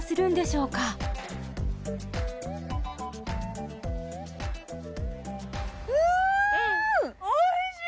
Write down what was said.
うんおいしい？